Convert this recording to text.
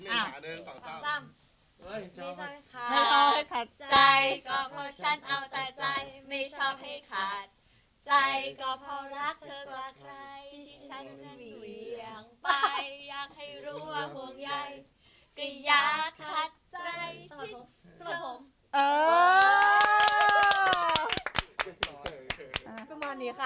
สำหรับผม